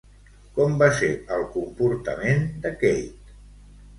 Com va ser el comportament de Kate?